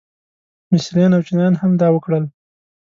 مصریان او چینیان هم دا وکړل.